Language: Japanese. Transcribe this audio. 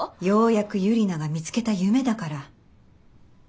ようやくユリナが見つけた夢だから。